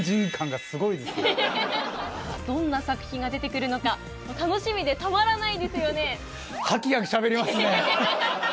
どんな作品が出てくるのか楽しみでたまらないですよね？